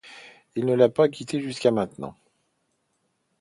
Il ne l'a pas quitté jusqu'à maintenant.